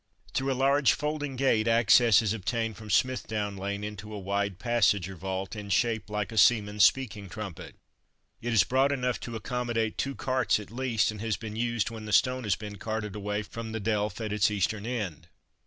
Through a large folding gate access is obtained from Smithdown lane into a wide passage or vault, in shape like a seaman's speaking trumpet. It is broad enough to accommodate two carts at least, and has been used when the stone has been carted away from the delph at its eastern end.